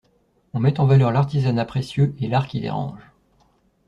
On met en valeur l’artisanat précieux et l’art qui dérange.